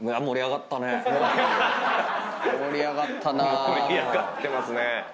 盛り上がってますね。